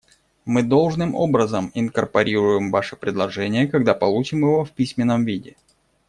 Мы должным образом инкорпорируем ваше предложение, когда получим его в письменном виде.